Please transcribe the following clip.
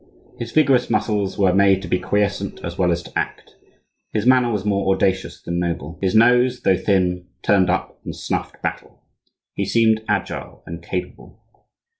His vigorous muscles were made to be quiescent as well as to act. His manner was more audacious than noble. His nose, though thin, turned up and snuffed battle. He seemed agile and capable.